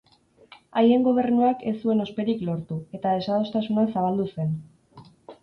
Haien gobernuak ez zuen osperik lortu, eta desadostasuna zabaldu zen.